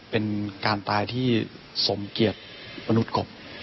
เป็นการตายที่สมเกียรติมนุษย์กบ